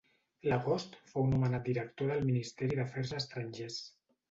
L'agost fou nomenat director del Ministeri d'Afers Estrangers.